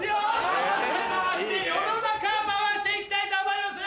回して回して世の中を回していきたいと思います。